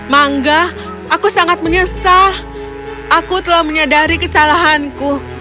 mangga aku sangat menyesal aku telah menyadari kesalahanku